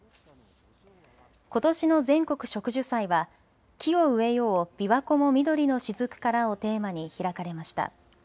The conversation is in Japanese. ことしの全国植樹祭は木を植えようびわ湖も緑のしずくからをテーマに開かれました。